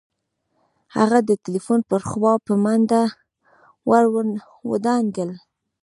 هغه د ټليفون پر خوا په منډه ور ودانګل.